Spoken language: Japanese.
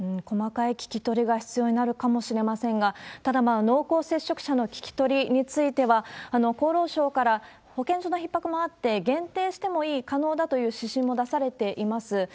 細かい聞き取りが必要になるかもしれませんが、ただ、濃厚接触者の聞き取りについては、厚労省から保健所のひっ迫もあって、限定してもいい、可能だという指針も出されています。